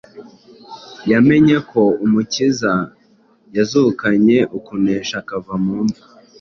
Yamenye ko Umukiza yazukanye ukunesha akava mu mva